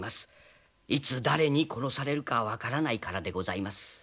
いつ誰に殺されるか分からないからでございます。